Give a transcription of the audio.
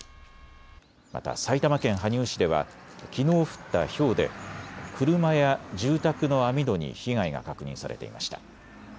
また埼玉県羽生市ではきのう降ったひょうで車や住宅の網戸に被害が確認されていました。